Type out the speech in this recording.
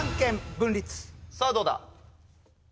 さあどうだ？